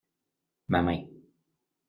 Ma main.